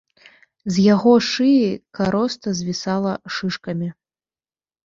З яго шыі кароста звісала шышкамі.